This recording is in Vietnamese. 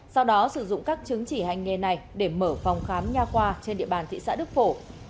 sau đó sử dụng các chứng chỉ hành nghề này để mở phòng khám nhà khoa trên địa bàn thị xã đức phổ